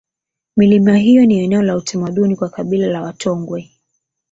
milima hiyo ni eneo la utamaduni kwa kabila la watongwe